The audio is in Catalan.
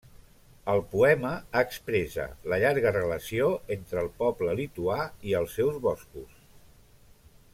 El poema expressa la llarga relació entre el poble lituà i els seus boscos.